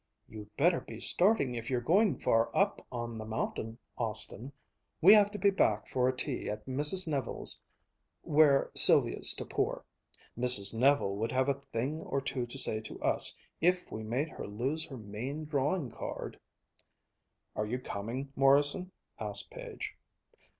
"You'd better be starting if you're going far up on the mountain, Austin. We have to be back for a tea at Mrs. Neville's, where Sylvia's to pour. Mrs. Neville would have a thing or two to say to us, if we made her lose her main drawing card." "Are you coming, Morrison?" asked Page.